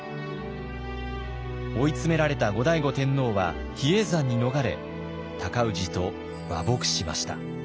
追い詰められた後醍醐天皇は比叡山に逃れ尊氏と和睦しました。